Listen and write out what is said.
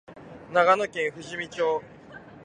長野県富士見町